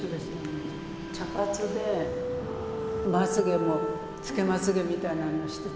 茶髪でまつげもつけまつげみたいなのしてて。